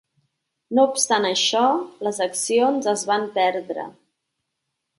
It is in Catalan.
No obstant això, les accions es van perdre.